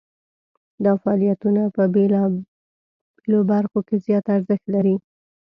دا فعالیتونه په بیلو برخو کې زیات ارزښت لري.